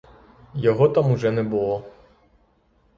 Його там уже не було.